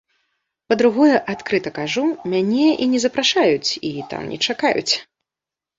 Па-другое, адкрыта кажу, мяне і не запрашаюць і там не чакаюць.